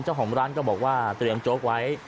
เจ้าของร้านก็บอกว่าเตรียมโจ๊กไว้